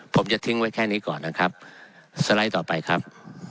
ผมจะทิ้งไว้แค่นี้ก่อนนะครับสไลด์ต่อไปครับ